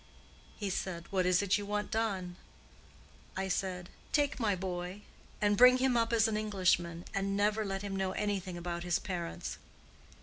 He said: 'What is it you want done?' I said, 'Take my boy and bring him up as an Englishman, and never let him know anything about his parents.